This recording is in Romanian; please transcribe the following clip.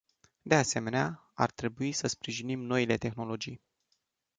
De asemenea, ar trebui să sprijinim noile tehnologii.